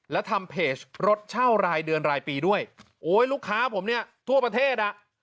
แล้วทำเพจรถเช่ารายเดือนรายปีด้วยโอ้ยลูกค้าผมเนี่ยทั่วประเทศอ่ะ